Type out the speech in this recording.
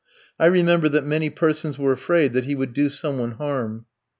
I remember that many persons were afraid that he would do some one harm.